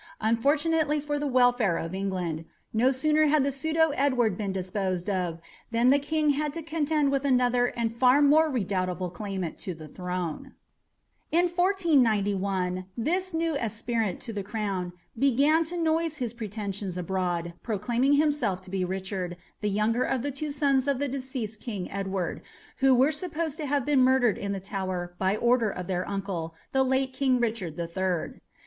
Unfortunately for the welfare of England, no sooner had the pseudo Edward been disposed of, than the King had to contend with another and a far more redoubtable claimant to the throne. In 1491 this new aspirant to the crown began to noise his pretensions abroad, proclaiming himself to be Richard, the younger of the two sons of the deceased King Edward, who were supposed to have been murdered in the Tower by order of their uncle, the late King Richard the Third.